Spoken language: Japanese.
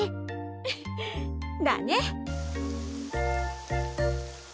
フフッだね！